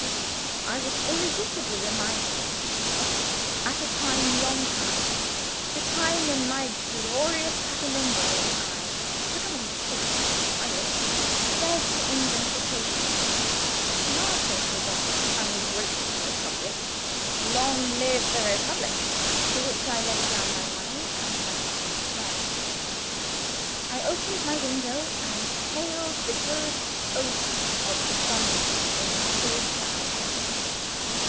I was irresistibly reminded of myself, at a time long past the time when my glorious Pratolungo and I, succumbing to Fate and tyrants, fled to England for safety; martyrs to that ungrateful Republic (long live the Republic!) for which I laid down my money and my husband his life. I opened my window, and hailed the good omen of sunrise in a clear sky.